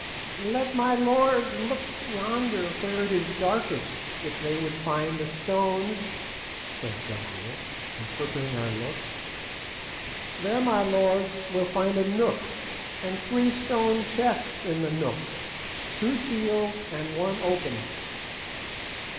"Let my lords look yonder where it is darkest, if they would find the stones," said Gagool, interpreting our looks. "There my lords will find a nook, and three stone chests in the nook, two sealed and one open."